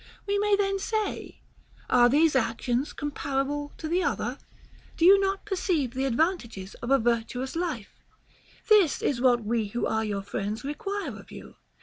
We may then say, Are these actions comparable to 154 HOW TO KNOW A FLATTERER the other 1 Do you not perceive the advantages of a vir tuous life % This is what we who are your friends require of you.